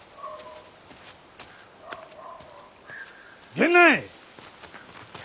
・源内。